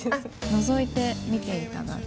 のぞいて見ていただくと。